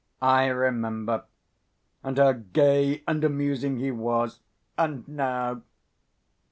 I remember. And how gay and amusing he was and now!"